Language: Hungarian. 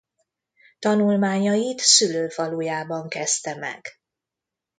Tanulmányait szülőfalujában kezdte meg.